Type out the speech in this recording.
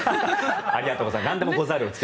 ありがとうございます。